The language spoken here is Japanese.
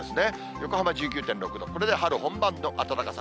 横浜１９．６度、これで春本番の暖かさ。